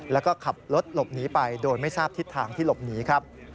แล้วก็ขับรถหลบหนีไปโดยไม่ทราบทิศทางที่หลบหนีครับ